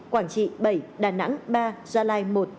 quảng trị bảy đà nẵng ba gia lai một